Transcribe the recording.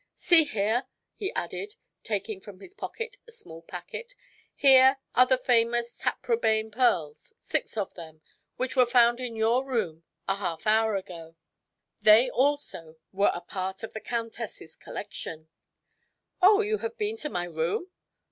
See here," he added, taking from his pocket a small packet. "Here are the famous Taprobane pearls six of them which were found in your room a half hour ago. They, also, were a part of the countess' collection." "Oh, you have been to my room?"